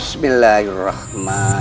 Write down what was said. bismillahirrahmanirrahim allahumma abini